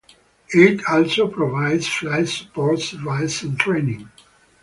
It also provides flight support services and training.